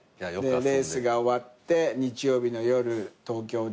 レースが終わって日曜日の夜東京で飲んで。